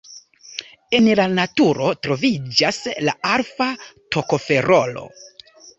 En la naturo troviĝas la alfa-tokoferolo.